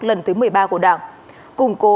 lần thứ một mươi ba của đảng củng cố